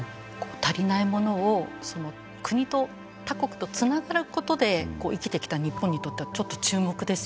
足りないものを国と他国とつながることで生きてきた日本にとってはちょっと注目ですよね。